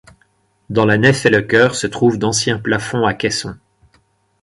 Dans la nef et le chœur se trouvent d'anciens plafonds à caissons.